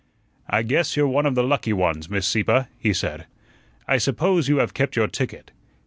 "I guess you're one of the lucky ones, Miss Sieppe," he said. "I suppose you have kept your ticket."